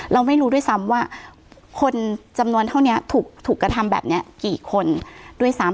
เราไม่รู้ด้วยซ้ำว่าคนจำนวนเท่านี้ถูกกระทำแบบนี้กี่คนด้วยซ้ำ